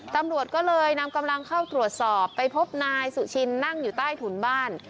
ตำรวจก็เลยนำกำลังเข้าตรวจสอบไปพบนายสุชินนั่งอยู่ใต้ถุนบ้าน